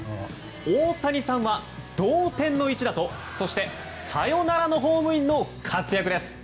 大谷さんは同点の一打とそして、サヨナラのホームインの活躍です。